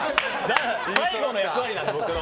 最後の役割なんで、僕の。